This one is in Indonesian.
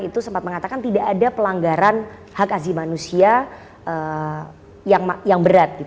itu sempat mengatakan tidak ada pelanggaran hak azi manusia yang berat